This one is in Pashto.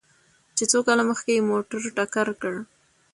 چې څو کاله مخکې يې موټر ټکر کړ؟